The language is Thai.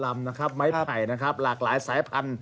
ลำนะครับไม้ไผ่นะครับหลากหลายสายพันธุ